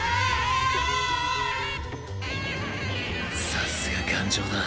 さすが頑丈だ。